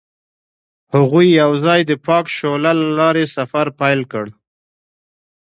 هغوی یوځای د پاک شعله له لارې سفر پیل کړ.